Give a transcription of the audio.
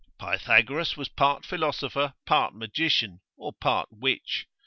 Pythagoras was part philosopher, part magician, or part witch.